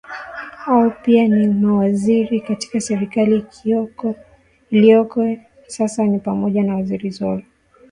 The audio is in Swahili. ao pia ni mawaziri katika serikali ilioko sasa ni pamoja na waziri zolo